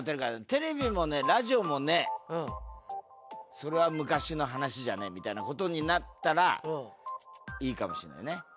「テレビも無ェラジオも無ェそれは昔の話じゃねえ」みたいな事になったらいいかもしれないね。